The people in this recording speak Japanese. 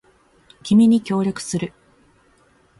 君に協力する